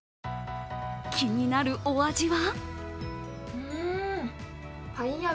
気になるお味は？